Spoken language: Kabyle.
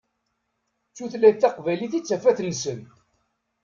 D tutlayt taqbaylit i d tafat-nsen.